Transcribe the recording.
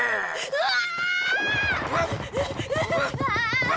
うわ！！